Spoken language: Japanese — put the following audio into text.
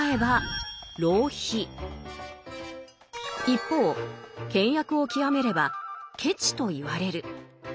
一方倹約を極めれば「ケチ」と言われる。